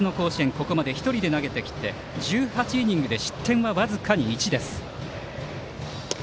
ここまで１人で投げてきて１８イニングで失点は僅かに１。